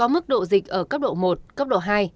mức độ dịch ở cấp độ một cấp độ hai